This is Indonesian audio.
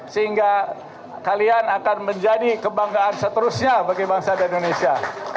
sehingga kalian akan menjadi kebanggaan seterusnya bagi bangsa dan indonesia